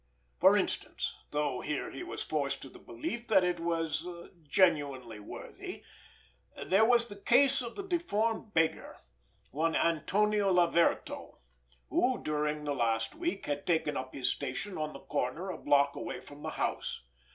For instance, though here he was forced to the belief that it was genuinely worthy, there was the case of the deformed beggar, one Antonio Laverto, who, during the last week, had taken up his station on the corner a block away from the house.